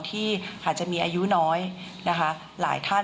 ที่อาจจะมีอายุน้อยนะคะหลายท่าน